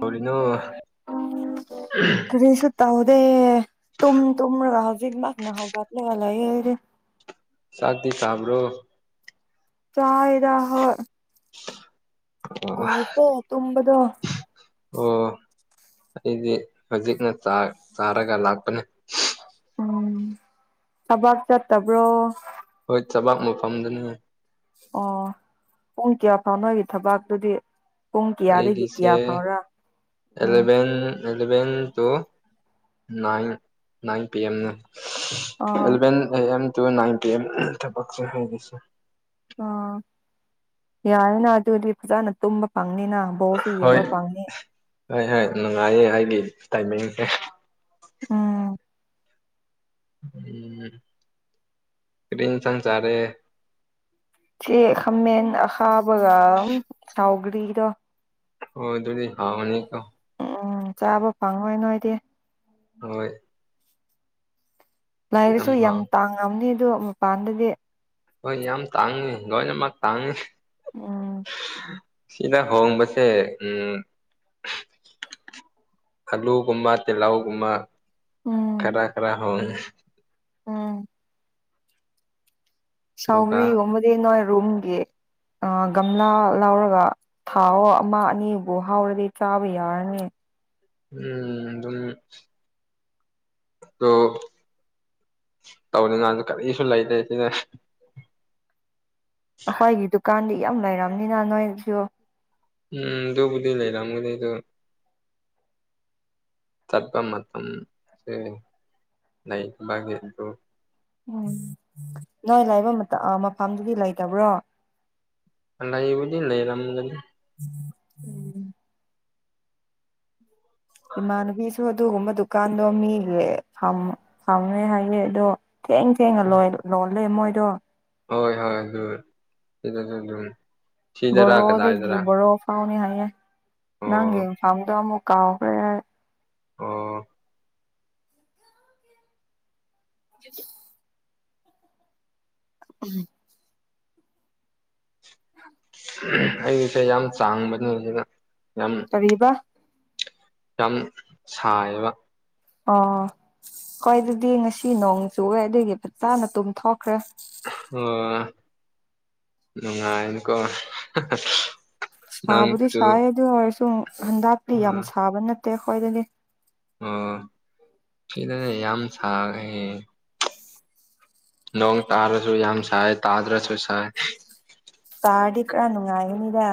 ꯍꯧꯔꯤꯅꯣ ꯀꯔꯤ ꯁ ꯇ ꯍꯗꯦ ꯇꯨꯝ ꯇꯨꯝꯃ ꯃꯥꯒꯅ ꯍꯒꯇ ꯂꯩꯒꯂꯑꯔꯦ ꯁꯥꯗꯤ ꯊ ꯍꯥ꯭ꯔꯣ ꯆꯥꯗ ꯍꯣ ꯑ ꯇꯨꯝꯕꯗꯣ ꯑꯣ ꯑꯩꯗꯤ ꯍꯧꯖꯤꯛꯅ ꯆꯥꯔꯒ ꯂꯥꯛꯄꯅꯦ ꯎꯝ ꯊꯕꯥꯛ ꯆꯠꯇꯕ꯭ꯔꯣ ꯆꯕꯥꯛ ꯃꯐꯝꯗꯅꯦ ꯑꯣ ꯄꯨꯡ ꯀꯌꯥ ꯐꯥꯎꯅꯣꯒꯤ ꯊꯕꯥꯛꯇꯨꯗꯤ ꯄꯨꯡ ꯀꯌꯥꯗꯒꯤ ꯑꯩꯒꯤꯁꯦ ꯀꯌꯥ ꯐꯥꯎꯔ ꯎꯝ eleven eleven two nine nine ꯄꯤ ꯑꯦꯝꯅꯤ ꯑꯥ ꯑꯦꯂꯚꯦꯟ ꯑꯦꯦꯝ ꯇꯨꯏꯟꯤ ꯊꯁꯤꯁ ꯑ ꯌꯥꯔꯦꯅ ꯑꯗꯨꯗꯤ ꯑꯣꯏ ꯏꯖꯅ ꯇꯨꯝꯕ ꯄꯥ ꯐꯪꯅꯤꯅ ꯕꯣꯁꯨ ꯌꯦꯡꯕ ꯄꯪꯅꯤ ꯍ ꯍꯥꯏ ꯅꯨꯡꯉꯥꯏꯌꯦ ꯑꯩꯒꯤ ꯇꯥꯏꯃꯤꯡꯁꯦ ꯎꯝ ꯎꯝ ꯀꯔꯤ ꯏꯟꯁꯥꯡ ꯆꯔꯦ ꯈꯥꯃꯦꯟ ꯑꯈꯥꯕꯒ ꯁꯥꯎꯒ꯭ꯔꯤꯗꯣ ꯍꯣꯏ ꯑꯗꯨꯗꯤ ꯍꯥꯎꯅꯤꯀꯣ ꯎꯝ ꯆꯥꯕ ꯐꯪꯉꯣꯏ ꯅꯣꯏꯗꯤ ꯍꯣꯏ ꯂꯥꯏꯔꯁꯨ ꯌꯥꯝ ꯇꯥꯡꯉꯕꯅꯤ ꯑꯗꯨꯗꯣ ꯃꯄꯥꯟꯗꯗꯤ ꯍꯣꯏ ꯌꯥꯝ ꯇꯥꯡꯉꯤ ꯂꯣꯏꯅꯃꯛ ꯇꯥꯡꯏ ꯎꯝ ꯁꯤꯗ ꯍꯣꯡꯕꯁꯦ ꯎꯝ ꯑꯜꯂꯨ ꯒꯨꯝꯕ ꯇꯤꯂꯍꯧꯒꯨꯝꯃ ꯈꯔ ꯈꯔ ꯍ ꯑꯣ ꯑꯗꯨꯒ ꯁꯥꯎꯒ꯭ꯔꯤ ꯍꯝꯕꯗꯤ ꯅꯣ ꯔꯣꯝꯒꯤ ꯒꯝꯂꯥ ꯂꯧꯔꯒ ꯊꯥꯎ ꯑꯃ ꯑꯅꯤꯕꯨ ꯍꯥꯎꯔꯗꯤ ꯆꯥꯕ ꯌꯥꯔꯅꯤ ꯎꯝ ꯑꯗꯨꯝ ꯑ ꯇꯧꯅꯤ ꯅꯍꯥꯟꯁꯨ ꯀꯔꯤꯁꯨ ꯂꯩꯇꯦ ꯁꯤꯗ ꯑꯩꯈꯣꯏꯒꯤ ꯗꯨꯀꯥꯟꯗꯤ ꯌꯥꯝ ꯂꯩꯔꯕꯝꯅꯤꯅ ꯅꯣꯏꯁꯨ ꯎꯝ ꯗꯣꯕꯨꯗꯤ ꯂꯩ ꯂꯒꯗꯤꯗ ꯆꯠꯄ ꯃꯇꯝꯃꯁꯦ ꯂꯩꯕꯒꯤ ꯑꯗꯨ ꯎꯝ ꯅꯣꯏ ꯂꯥꯏꯕ ꯃꯇꯝ ꯃꯐꯝꯗꯨꯗꯤ ꯂꯩꯇꯕ꯭ꯔꯣ ꯂꯩꯕꯨꯗꯤ ꯂꯩꯔꯝꯗꯤ ꯎꯝ ꯎꯝ ꯏꯃꯥꯟꯅꯕꯤꯁꯨ ꯑꯗꯨꯒꯨꯝꯕ ꯗꯨꯀꯥꯟꯗꯣ ꯃꯤꯒꯤ ꯐꯝꯃꯦ ꯍꯥꯏꯌꯦ ꯑꯗꯣ ꯊꯦꯡ ꯊꯦꯡꯉ ꯂꯣꯏ ꯂꯣꯜꯂ ꯃꯣꯏꯗꯣ ꯍꯣꯏ ꯍꯣꯏ ꯍꯣꯏ ꯁꯤꯅ ꯑꯗꯨ ꯁꯤꯗꯔꯥ ꯔꯣꯗꯒ ꯀꯗꯥꯏꯗꯔꯥ ꯔꯣ ꯐꯥꯎꯅꯤ ꯍꯥꯏ ꯑꯣ ꯅꯪꯒꯦ ꯐꯪꯗ ꯀꯥꯎꯈꯔ ꯑꯥ ꯑꯗꯨ ꯎ ꯑ ꯑꯩꯁꯦ ꯌꯥꯝ ꯆꯥꯡꯕꯅꯦꯅ ꯇꯔꯤꯕꯥ ꯌꯥꯝ ꯁꯥꯏꯌꯦꯕ ꯑꯣ ꯍꯣꯏ ꯑꯗꯨꯗꯤ ꯉꯁꯤ ꯅꯣꯡ ꯆꯨꯑꯦ ꯑꯗꯨꯒꯤ ꯐꯖꯥꯅ ꯇꯨꯝꯊꯣꯛꯈ꯭ꯔꯦ ꯑꯣ ꯅꯨꯡꯉꯥꯏꯑꯅꯀꯣ ꯁꯥꯕꯨꯗꯤ ꯁꯥꯏ ꯑꯗꯨ ꯑꯣꯏꯔꯁꯨ ꯍꯟꯗꯛꯇꯤ ꯑ ꯌꯥꯝ ꯁꯥꯕ ꯅꯠꯇꯦ ꯑꯩꯈꯣꯏꯗꯗꯤ ꯑꯣ ꯁꯤꯗꯅꯦ ꯌꯥꯝ ꯁꯥꯈꯦ ꯅꯣꯡꯣꯡ ꯇꯥꯔꯁꯨ ꯌꯥꯝ ꯁꯥꯏ ꯇꯥꯗ꯭ꯔꯁꯨ ꯁꯥꯏ ꯇꯥꯗꯤ ꯀꯔ ꯅꯨꯡꯉꯥꯏꯅꯤꯗ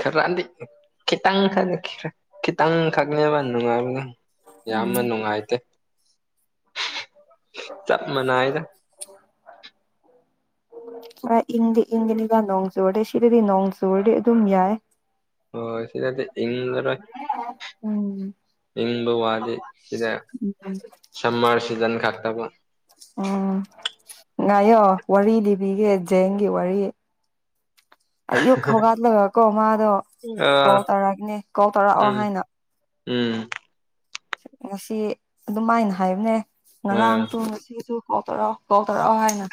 ꯈꯔꯗꯤ ꯈꯤꯇꯪ ꯈꯛ ꯈꯔ ꯈꯤꯇꯪ ꯈꯛꯅꯦꯕ ꯅꯨꯡꯉꯥꯏꯕ ꯎꯝ ꯌꯥꯝꯅ ꯅꯨꯡꯉꯥꯏꯇꯦ ꯆ ꯃꯅꯥꯑꯗ ꯑ ꯏꯪꯗꯤ ꯏꯪꯒꯤꯅꯤꯒ ꯅꯣꯡ ꯆꯨꯔꯗꯤꯦ ꯁꯤꯗꯗꯤ ꯅꯣꯡ ꯆꯨꯔꯗꯤ ꯑꯗꯨꯝ ꯌꯥꯏ ꯍ ꯁꯤꯗꯗ ꯏꯔ ꯎꯝ ꯏꯪꯕ ꯋꯥꯗꯤ ꯁꯤꯗ ꯁꯝꯃꯔ ꯁꯤꯖꯟ ꯈꯛ ꯇꯃꯛ ꯎꯝ ꯉꯥꯏꯌꯣ ꯋꯥꯔꯤ ꯂꯤꯕꯤꯒꯦ ꯖꯦꯡꯒꯤ ꯋꯥꯔꯤ ꯑꯌꯨꯛ ꯍꯧꯒꯠꯂꯒꯀꯣ ꯃꯥꯗꯣ ꯑꯥ ꯀꯣꯜ ꯇꯧꯔꯛꯄꯅꯦ ꯀꯣꯜ ꯇꯧꯔꯛꯑꯣ ꯎꯝ ꯍꯥꯏꯅ ꯎꯝ ꯉꯁꯤ ꯑꯗꯨꯝꯥꯏꯅ ꯍꯥꯏꯕꯅꯦ ꯑꯥ ꯉꯔꯥꯡꯁꯨ ꯉꯁꯤꯁꯨ ꯀꯥꯎꯊꯔꯛꯑꯣ ꯀꯥꯎꯊꯔꯛꯑꯣ ꯍꯥꯏꯅ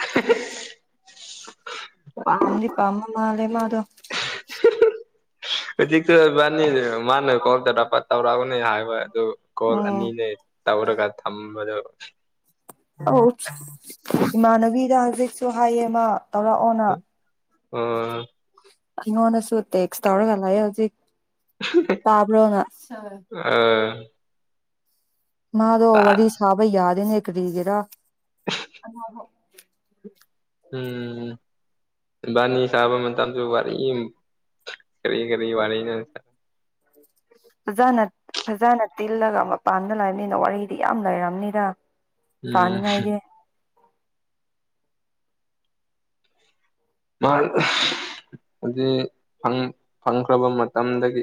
ꯄꯥꯝꯗꯤ ꯄꯥꯝꯃ ꯃꯥ ꯂꯩꯦꯃ ꯑꯗꯣ ꯅꯤ ꯃꯥꯅ ꯀꯣ ꯇꯄ ꯇꯔꯒ ꯍꯥꯏꯕ ꯑꯗꯨ ꯀꯣꯜ ꯎꯝ ꯑꯅꯤꯅꯦ ꯇꯧꯔꯒ ꯊꯝꯕꯗꯣ ꯑꯃꯅꯕꯤ ꯅꯥꯒꯔꯤꯛꯁꯨ ꯍꯥꯏꯌꯦ ꯃꯥ ꯇꯧꯔꯛꯑꯣꯅ ꯑ ꯑꯩꯉꯣꯟꯗꯁꯨ ꯇꯦꯛꯁ ꯇꯧꯔꯒ ꯂꯥꯛꯑꯦ ꯍꯧꯖꯤꯛ ꯇꯥꯕ꯭ꯔꯣꯅ ꯑꯥ ꯃꯥꯗ ꯋꯥꯔꯤ ꯇꯥꯠ ꯋꯥꯔꯤ ꯁꯥꯕꯩ ꯌꯥꯗꯅꯦ ꯀꯒꯔꯥ ꯎꯝꯝ ꯕꯥꯅꯤ ꯁꯥꯕ ꯃꯇꯝ ꯃꯇꯝꯁꯨ ꯋꯥꯔꯤ ꯈꯔꯤ ꯈꯔꯤ ꯋꯥꯔꯤ [unintelligible] ꯐꯖꯅ ꯐꯖꯅ ꯇꯤꯜꯂꯒ ꯃꯄꯥꯟꯗ ꯂꯩꯕꯅꯤꯅ ꯋꯥꯔꯤꯗꯤ ꯌꯥꯝ ꯂꯩꯔꯕꯅꯤꯔ ꯎꯝ ꯍꯧꯖꯤ ꯐꯪꯈ꯭ꯔꯕ ꯃꯇꯝꯗꯒꯤ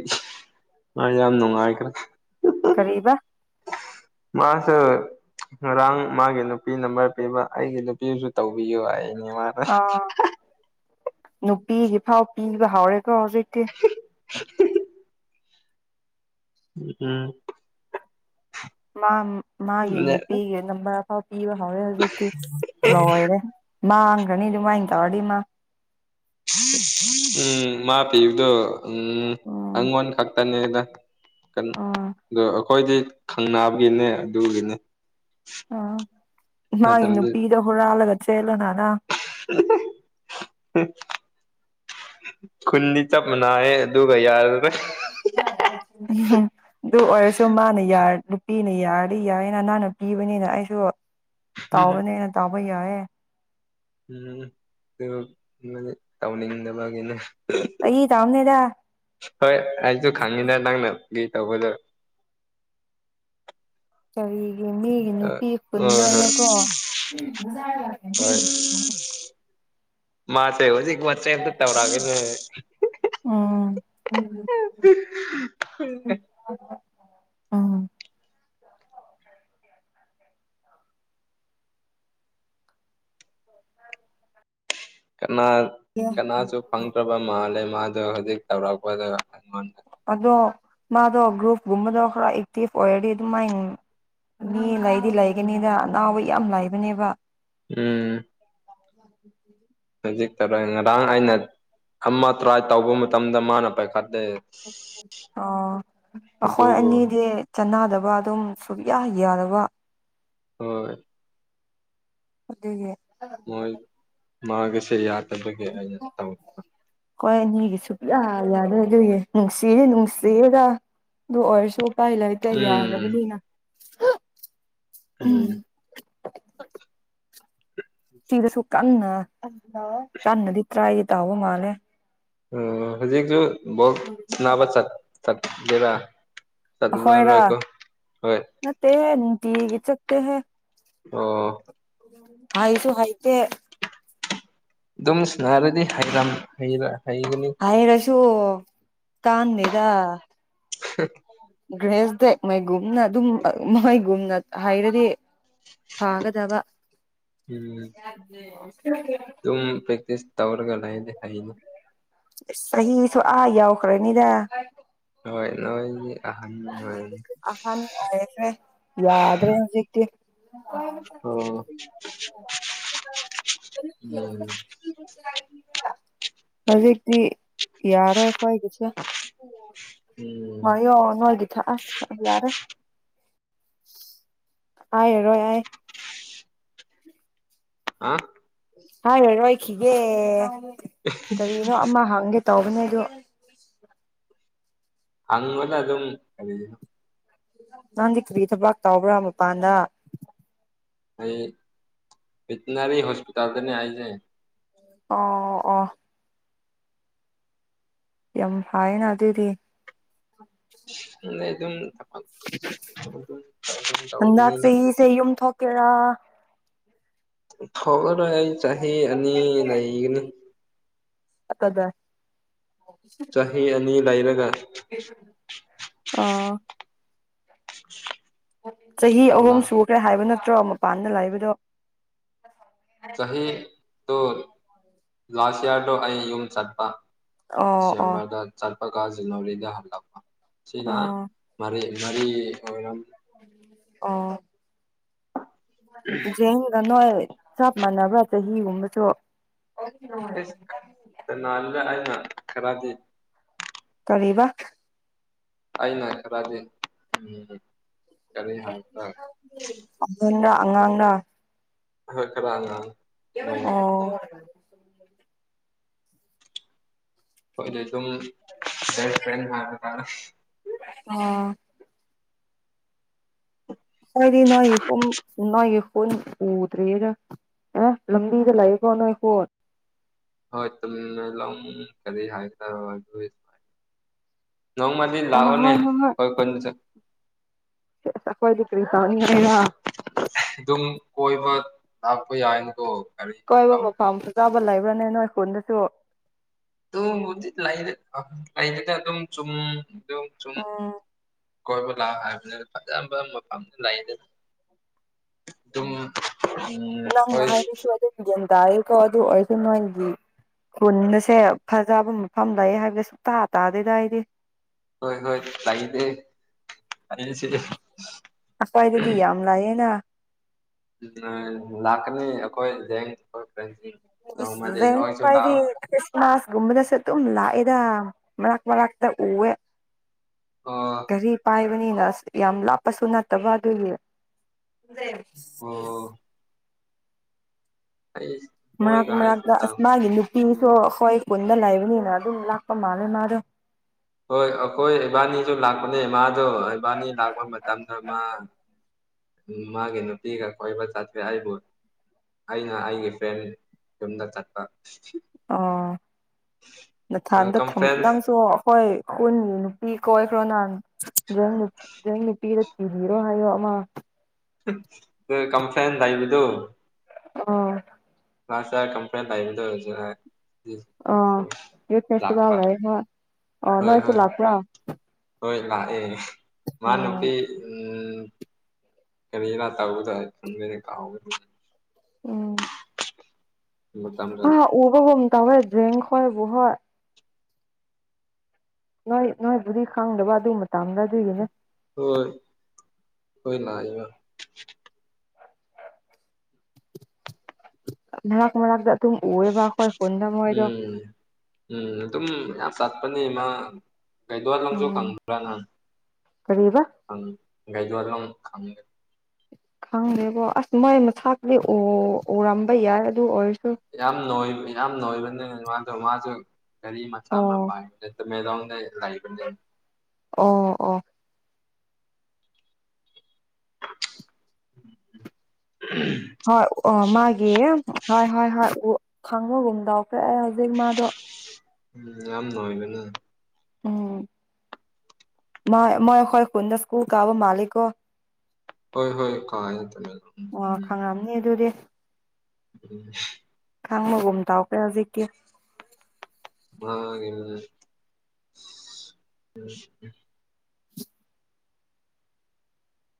ꯑ ꯌꯥꯝꯝꯅꯨꯡꯉ ꯍꯥꯏꯥꯏꯔꯦ ꯀꯔꯤꯕꯥ ꯃꯥꯁ ꯉꯔꯥꯡ ꯃꯥꯒꯤ ꯅꯨꯄꯤ ꯅꯝꯕꯔ ꯄꯤꯕ ꯑꯩꯒꯤ ꯅꯨꯄꯤꯗꯨꯁꯨ ꯇꯧꯕꯤꯌꯨ ꯑꯩ ꯃꯥꯔ ꯑ ꯅꯨꯄꯤꯒꯤ ꯐꯥꯎ ꯄꯤꯕ ꯍꯧꯥꯎꯔꯦꯀꯣ ꯍꯧꯖꯤꯛꯇꯤ [unintelligible] ꯎꯝ ꯃꯥ ꯃꯥꯒꯤ ꯅꯨꯄꯤꯒꯤ ꯅꯝꯕꯔ ꯑꯐꯥꯎ ꯄꯤꯕ ꯍꯧꯔꯦ ꯍꯧꯖꯤꯛꯇꯤ ꯂꯣꯏꯔꯦ ꯈꯅꯤ ꯅꯨꯡꯃꯥꯏ ꯇ ꯋꯥꯔꯤꯃ ꯎꯝ ꯃꯥ ꯄꯤꯕꯗꯣ ꯎꯝ ꯎꯝ ꯑꯩꯉꯣꯟ ꯈꯛꯇꯅꯦꯅ ꯑ ꯎꯝ ꯑꯩꯈꯣꯏꯗꯤ ꯈꯪꯅꯕꯒꯤꯅꯦ ꯑꯗꯨꯒꯤꯅꯤ ꯑ ꯃꯥ ꯏ ꯅꯨꯄꯤꯤꯗ ꯍꯨꯔ ꯍꯥꯜꯒ ꯆꯦꯂꯣꯅ [unintelligible] ꯈꯨꯨꯟꯗꯤ ꯆꯞ ꯃꯅꯥꯑꯦ ꯑꯗꯨ ꯑꯣꯏꯔꯁꯨ ꯃꯥꯅ ꯌꯥꯔ ꯄꯤꯅ ꯌꯥꯔꯗꯤ ꯌꯥꯏꯌꯦꯅ ꯅꯅꯥꯅ ꯄꯤꯕꯅꯤꯅ ꯑꯩꯁꯨ ꯇꯥꯎꯕꯅꯦꯅ ꯇꯥꯎꯕ ꯀꯌꯥ ꯎꯝ ꯇꯥꯎꯅꯤꯗ ꯃꯥꯒꯦꯅ ꯐꯥꯒꯤ ꯇꯧꯕꯅꯤꯗ ꯍꯣꯏ ꯑꯩꯁꯨ ꯈꯉꯅꯤꯗꯥ ꯂꯪꯅ ꯒꯤ ꯇꯧꯕꯗ ꯀꯔꯤ ꯃꯤꯒꯤ ꯅꯨꯄꯤ ꯍꯣꯏ ꯍꯣꯏ ꯄꯨꯟꯗꯣꯏꯅꯀꯣ ꯃꯥꯁ ꯍꯧꯖꯤꯛ ꯋꯥꯆꯞ ꯇ ꯇꯧꯔꯒꯦꯅꯦ ꯎꯝ ꯎꯝ ꯀꯅꯥ ꯀꯅꯥꯁꯨ ꯐꯪꯗ꯭ꯔꯕ ꯃꯥꯜꯂꯦ ꯃꯥꯗꯣ ꯍꯧꯖꯤꯛ ꯇꯧꯔꯛꯄꯗꯉꯣꯟ ꯑꯗꯣ ꯃꯥꯗꯣ ꯒ꯭ꯔꯨꯞꯨꯞꯒꯨꯝꯕꯗꯣ ꯈꯔ ꯑꯦꯛꯇꯤꯚ ꯑꯣꯏꯔꯗꯤ ꯑꯗꯨ ꯃꯥꯏ ꯃꯤ ꯂꯩꯗꯤ ꯂꯩꯒꯅꯤꯗ ꯑꯅꯥꯎꯕ ꯌꯥꯝ ꯂꯩꯕꯅꯦꯕ ꯎꯝ ꯌꯥ [unintelligible] ꯉꯔꯥꯡ ꯑꯩꯅ ꯑꯃ ꯇ꯭ꯔꯥꯏ ꯇꯧꯕ ꯃꯇꯝꯗ ꯃꯥꯅ ꯄꯥꯏꯈꯠ ꯑꯣ ꯑꯩꯈꯣꯏ ꯑꯗꯨꯕꯨ ꯑꯅꯤꯗꯤ ꯆꯅꯗꯕ ꯑꯗꯨꯝ ꯁꯨꯛꯌꯥ ꯌꯥꯗꯕ ꯍꯣꯏ ꯑꯗꯨꯒꯤ ꯃꯣꯏ ꯃꯥꯒꯁꯦ ꯌꯥꯗꯕꯒꯤ ꯑꯩꯅ ꯇꯧ ꯑꯈꯣꯏ ꯑꯅꯤꯒꯤ ꯁꯨꯌꯥ ꯌꯥꯗꯣꯏ ꯑꯗꯨꯒꯤ ꯅꯨꯡꯁꯤꯔ ꯅꯨꯡꯁꯤꯒ ꯑꯗꯨ ꯑꯣꯏꯔꯁꯨ ꯎꯄꯥꯢ ꯂꯩꯇꯦ ꯎꯝ ꯌꯥꯗꯕꯅꯤꯅꯥ ꯎꯝ ꯁꯤꯗꯁꯨ ꯀꯟꯅ ꯀꯟꯅꯗꯤ ꯇꯔꯥꯏꯗꯤ ꯇꯥꯕ ꯃꯥꯂꯦ ꯎ ꯍꯧꯖꯤꯛꯁꯨ ꯕꯣꯜ ꯁꯥꯅꯕ ꯆꯠ ꯆꯠꯀꯦꯔꯥ ꯑꯈꯣꯏꯔꯥ ꯆꯠꯂꯔꯣꯏꯀꯣ ꯍꯣꯏ ꯅꯠꯇꯦ ꯍꯦ ꯅꯨꯡꯇꯤꯒꯤ ꯆꯠꯇꯦ ꯍꯦ ꯑꯣ ꯍꯥꯏꯁꯨ ꯍꯥꯏꯇꯦ ꯑꯗꯨꯝ ꯁꯥꯟꯔꯗꯤ ꯍꯩꯔꯝ ꯍꯩꯔꯥ ꯍꯩꯒꯅꯤ [unintelligible] ꯍ [unintelligible] ꯃꯩꯒꯨꯝꯅ ꯑꯗꯨꯝ ꯃꯣꯏꯒꯨꯝꯅ ꯍꯥꯏꯔꯗꯤ ꯐꯥꯒꯗꯕ ꯗꯨꯝ ꯄꯦꯛꯇꯤꯁ ꯇꯧꯔꯒ ꯂꯩꯔꯦ ꯆꯍꯤꯁꯨ ꯑꯥ ꯌꯧꯈꯔꯅꯤꯗ ꯍꯣꯏ ꯅꯣꯏꯗꯤ ꯑꯍꯟ ꯑꯣꯏꯔꯅꯤ ꯑꯍꯟ ꯑꯣꯏꯈ꯭ꯔꯦ ꯌꯥꯗ꯭ꯔꯦ ꯍꯧꯖꯤꯛꯇꯤ ꯑꯣ ꯎꯝ ꯍꯧꯖꯤꯛꯇꯤ ꯌꯥꯔꯣꯏ ꯑꯩꯈꯣꯏꯒꯤꯁꯦ ꯎꯝ [unintelligible] ꯑꯁ ꯌꯥꯔꯦ ꯑꯥꯏꯔꯣꯏ ꯑꯥꯏ ꯑ ꯍꯥꯏꯔꯔꯣꯏꯈꯤꯒꯦ ꯀꯔꯤꯅꯣ ꯑꯃ ꯍꯥꯡꯒꯦ ꯇꯧꯕꯅꯦ ꯑꯗꯣ ꯑꯪꯉꯂ ꯑꯗꯨꯝ ꯀꯔꯤ ꯅꯪꯗꯤ ꯀꯔꯤ ꯊꯕꯥꯛ ꯇꯥꯎꯕ꯭ꯔꯥ ꯃꯄꯥꯟꯗ ꯑꯩ ꯕꯦꯇꯤꯅꯔꯤ ꯍꯣꯁꯄꯤꯇꯥꯜꯗꯅꯦ ꯍꯥꯏꯁꯦ ꯑꯣ ꯑꯣ ꯌꯥꯝ ꯐꯥꯏꯅ ꯑꯗꯨ ꯑꯗꯨꯗꯤ ꯈꯪꯗꯦ ꯑꯗꯨꯝ ꯍꯟꯗꯛ ꯇꯧꯕꯅꯤꯅ ꯌꯨꯝ ꯊꯣꯛꯀꯦꯔꯥ ꯊꯣꯛꯔꯣꯏ ꯑꯩ ꯆꯍꯤ ꯑꯅꯤ ꯂꯩꯒꯅꯤ ꯑꯗ ꯆꯍꯤ ꯑꯅꯤ ꯂꯩꯔꯒ ꯑꯥ ꯆꯍꯤ ꯑꯍꯨꯝ ꯊꯣꯛꯂꯛ ꯁꯨꯈ꯭ꯔꯦ ꯍꯥꯏꯕ ꯅꯠꯇ꯭ꯔꯣ ꯃꯄꯥꯟꯗ ꯂꯩꯕꯗꯣ ꯆꯍꯤ ꯇꯣ ꯂꯥꯁꯠ ꯏꯌꯔꯗꯣ ꯑꯩ ꯌꯨꯝ ꯆꯠꯄ ꯑꯣ ꯑꯣ ꯗꯤꯁꯦꯝꯕꯔꯗ ꯆꯠꯄꯒ ꯖꯅꯋꯥꯔꯤꯗ ꯍꯜꯂꯛꯄ ꯁꯤꯅ ꯑꯣ ꯃꯔꯤ ꯃꯔꯤ ꯑꯣꯏꯔꯝ ꯑꯣ ꯖꯦꯡꯒ ꯅꯣꯏ ꯆꯞ ꯃꯥꯟꯅꯕ꯭ꯔꯥ ꯆꯍꯤꯒꯨꯝꯕꯁꯨ ꯁꯅꯥꯜꯒ ꯑꯩꯅ ꯈꯔꯗꯤ ꯀꯔꯤꯕ ꯑꯩꯅ ꯈꯔꯗꯤ ꯀꯔꯤ ꯍꯥꯏꯕ꯭ꯔꯥ ꯑꯍꯟꯔ ꯑꯉꯥꯡꯔ ꯍꯣꯏ ꯈꯔ ꯑꯉꯥꯡ ꯅꯣꯏꯅ ꯈꯔ ꯑꯣ ꯍꯣꯏꯅꯪ ꯑꯗꯨ ꯑꯗꯨꯝ ꯕꯦꯁ ꯐ꯭ꯔꯦꯟ ꯍꯥꯏꯕ ꯇꯥꯔꯦ ꯑ ꯄꯨꯟ ꯎꯗ꯭ꯔꯦꯒ ꯑꯦ ꯂꯝꯕꯤꯗ ꯂꯩꯀꯣ ꯅꯣꯏꯁꯣ ꯍꯣꯏ [unintelligible] ꯀꯔꯤ ꯍꯥꯏꯁꯤꯔ [unintelligible] ꯅꯣꯡꯃꯗꯤ ꯑꯣ ꯂꯥꯛꯑꯣꯅꯦ ꯍꯣꯏ ꯑꯈꯣꯏ ꯈꯨꯟ ꯆꯠ ꯑꯈꯣꯏꯗꯤ ꯀ꯭ꯔꯤꯇꯧꯅꯤ ꯍꯥꯏꯔ ꯑꯗꯨꯝ ꯀꯣꯏꯕ ꯂꯥꯛꯄ ꯌꯥꯏꯅꯦꯀꯣ ꯀꯣꯏꯕ ꯃꯐꯝ ꯐꯖꯕ ꯂꯩꯕ꯭ꯔꯥꯅꯦ ꯅꯣꯏ ꯈꯨꯟꯗꯁꯨ ꯑꯗꯨ ꯕꯨꯗꯤ ꯂꯩ ꯂꯩꯗꯦ ꯑꯗꯨꯝ ꯆꯨꯝ ꯎꯝ [unintelligible] ꯀꯣꯏꯕ ꯍꯥꯏꯕꯗ ꯐꯖꯕ ꯃꯐꯝꯗꯤ ꯂꯩꯩꯗꯦꯗ ꯑꯗꯨꯝ ꯎꯝ ꯅꯪꯅ ꯑꯈꯣꯏ ꯍꯥꯏꯕꯁꯨ [unintelligible] ꯑꯗꯨ ꯑꯣꯏꯔꯗꯤ ꯅꯣꯏꯒꯤ ꯈꯨꯟ ꯑꯁꯦ ꯐꯖꯕ ꯃꯐꯝ ꯂꯩ ꯍꯥꯏꯕꯗ ꯁꯨꯛꯇꯥ ꯇꯥꯗꯦꯗ ꯑꯩꯗꯤ ꯍꯣꯏ ꯍꯣꯏ ꯂꯩꯗꯦ [unintelligible] ꯑꯁ꯭ꯋꯥꯏꯗꯗꯤ ꯌꯥꯝ ꯂꯩꯌꯦꯅ ꯂꯥꯛꯀꯅꯤ ꯑꯈꯣꯏ ꯍꯌꯦꯡ [unintelligible] ꯈꯣꯏꯗꯤ ꯂꯥꯛꯑꯣ ꯈ꯭ꯔꯤꯁ ꯃꯥꯁ ꯀꯨꯝꯕꯗꯁꯨ ꯑꯗꯨꯝ ꯂꯥꯛꯑꯦ ꯗ ꯃꯔꯛ ꯃꯔꯛꯇ ꯎꯋꯦ ꯑꯣ ꯒꯥꯔꯤ ꯄꯥꯏꯕꯅꯤꯅ ꯑꯁ ꯌꯥꯝ ꯂꯥꯞꯄꯁꯨ ꯅꯠꯇꯕ ꯑꯗꯨꯒꯤ [unintelligible] ꯑꯣ ꯑꯩ ꯃꯔꯛ ꯃꯣꯏꯒ ꯑꯩꯁꯨ ꯃꯔꯛꯇ ꯂꯥꯛ ꯃꯥꯒꯤ ꯅꯨꯄꯤꯁꯨ ꯎꯝ ꯑꯈꯣꯏ ꯈꯨꯟꯗ ꯂꯩꯕꯅꯤꯅ ꯑꯗꯨꯝ ꯂꯥꯛꯄ ꯃꯥꯜꯂꯦ ꯃꯥꯗꯣ ꯍꯣꯏ ꯑꯈꯣꯏ ꯏꯕꯥꯅꯤꯁꯨ ꯂꯥꯛꯄꯅꯦꯃꯥꯗꯣ ꯏꯕꯥꯅꯤ ꯂꯥꯛꯄ ꯃꯇꯝꯗ ꯃꯥ ꯃꯥꯒꯤ ꯅꯨꯄꯤꯒ ꯀꯣꯏꯕ ꯆꯠꯈ꯭ꯔꯦ ꯑꯩꯕꯨ ꯑꯩꯅ ꯑꯩꯒꯤ ꯐ꯭ꯔꯦꯟ ꯌꯨꯝꯗ ꯆꯠꯄ ꯑꯣ ꯅꯊꯥꯟꯗ ꯊꯝ ꯀꯝꯐ꯭ꯔꯦꯟꯁ ꯅꯪꯁꯨ ꯑꯈꯣꯏ ꯈꯨꯟꯒꯤ ꯅꯨꯄꯤ ꯀꯣꯏꯈ꯭ꯔꯣ [unintelligible] ꯅꯨꯄꯤꯗ ꯊꯤꯕꯤꯔꯣ ꯍꯥꯏꯌꯣ ꯑꯃ ꯀꯝꯐ꯭ꯂꯦꯟ ꯂꯩꯕꯗꯨ ꯑ ꯉꯁꯔ ꯀꯝꯄ꯭ꯂꯦꯟ [unintelligible] ꯑ ꯌꯨꯠ ꯐꯦꯁꯇꯤꯚꯦꯜ ꯂꯥꯛꯄ ꯂꯩ ꯍꯣꯏ ꯑ ꯍꯣꯏ ꯅꯣꯏꯁꯨ ꯍꯣꯏ ꯂꯥꯛꯄ꯭ꯔꯣ ꯍꯣꯏ ꯂꯥꯛꯑꯦ ꯃꯥ ꯅꯨꯄꯤ ꯎꯝ ꯀꯔꯤꯅꯣ ꯇꯧ [unintelligible] ꯃꯇꯝꯗꯣ ꯑ ꯂꯥꯛ ꯎꯕꯕꯨꯡ ꯇꯧꯋꯦ [unintelligible] ꯅꯣꯏ ꯅꯣꯏꯕꯨꯗꯤ ꯈꯪꯗꯕ ꯑꯗꯨ ꯃꯇꯝꯗ ꯑꯗꯨꯒꯤꯅꯦ ꯍꯣꯏ ꯑꯈꯣꯏ ꯂꯥꯛꯏꯕ ꯃꯔꯛ ꯃꯔꯛꯇ ꯎꯋꯦꯕ ꯑꯈꯣꯏ ꯈꯨꯟꯗ ꯃꯣꯏꯗꯣ ꯎꯝ ꯎꯝ ꯑꯗꯨꯝ ꯌꯥꯝ ꯆꯠꯄꯅꯦ ꯃꯥ ꯀꯩꯗꯣꯂꯪꯁꯨ ꯎꯝ ꯈꯪꯕ꯭ꯔ ꯅꯪ ꯀꯔꯤꯕ ꯒꯥꯏꯗꯣꯂꯪ [unintelligible] ꯈꯪꯗꯦꯕꯣ ꯑꯁ ꯃꯣꯏ ꯃꯁꯛꯇꯨꯗꯤ ꯎꯔꯝꯕ ꯌꯥꯏ ꯑꯗꯨ ꯑꯣꯏꯔꯁꯨ ꯌꯥꯝ ꯅꯣꯏꯕ ꯌꯥꯝ ꯅꯣꯏꯕꯅꯤꯅ ꯑꯗꯨꯃꯥꯏ ꯇꯧꯕ ꯃꯥꯁꯨ ꯒꯔꯤ ꯃꯆꯥ ꯑꯃ ꯑꯣ ꯄꯥꯏ ꯇꯃꯦꯡꯂꯣꯡꯗ ꯂꯩꯕꯅꯦ ꯑꯣ ꯑꯣ [unintelligible] ꯍꯣꯏ ꯑꯣ ꯃꯥꯒꯤ ꯍꯣꯏ ꯍꯣꯏ ꯍꯣꯏ ꯈꯪꯕꯒꯨꯝꯗꯎꯈ꯭ꯔꯦ ꯑꯩ ꯍꯧꯖꯤꯛ ꯃꯥꯗꯣ ꯎꯝ ꯑꯝ ꯅ ꯑꯣꯏꯕꯅ ꯎꯝ ꯃ ꯃꯌꯥ ꯈꯣꯏ ꯈꯨꯅ ꯁꯀꯨꯜ ꯀ ꯑꯕ ꯍꯥꯂꯀ ꯍꯣꯏ ꯍꯣꯏ ꯀꯥꯏ ꯇ ꯑꯣ ꯈꯪꯔꯝꯅꯤ ꯑꯗꯨꯗꯤ ꯎꯝ ꯈꯪꯕꯒꯨꯝ ꯇꯥꯎ ꯀꯌꯥ ꯍꯧꯖꯤꯛꯀꯤ ꯒꯦꯦ